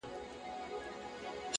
د زړه سکون له روښانه وجدان راځي